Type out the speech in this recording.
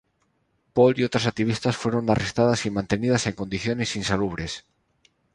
Paul y otras activistas fueron arrestadas y mantenidas en condiciones insalubres.